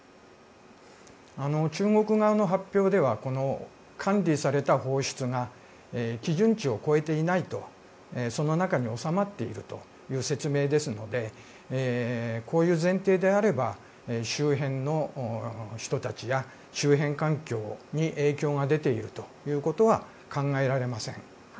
中国側の発表では管理された放出が基準値を超えていないとその中に収まっているという説明ですのでこういう前提であれば周辺の人たちや周辺環境に影響が出ているということは考えられません。